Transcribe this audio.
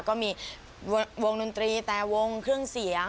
ก็มีวงดนตรีแต่วงเครื่องเสียง